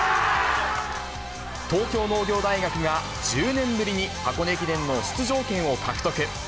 東京農業大学が１０年ぶりに箱根駅伝の出場権を獲得。